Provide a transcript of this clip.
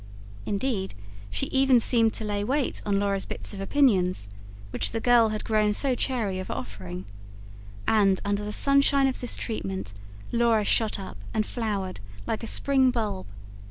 Indeed, she even seemed to lay weight on Laura's bits of opinions, which the girl had grown so chary of offering; and, under the sunshine of this treatment, Laura shot up and flowered like a spring bulb.